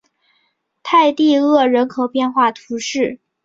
泰蒂厄人口变化图示